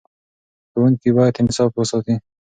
ښوونکي باید انصاف وساتي.